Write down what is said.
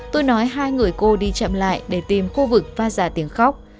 tôi nói hai người cô đi chậm lại để tìm khu vực phát ra tiếng khóc